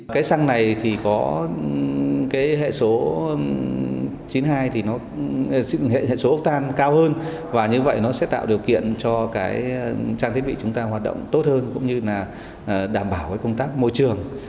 cái xăng này thì có cái hệ số chín mươi hai thì nó hệ số otan cao hơn và như vậy nó sẽ tạo điều kiện cho cái trang thiết bị chúng ta hoạt động tốt hơn cũng như là đảm bảo công tác môi trường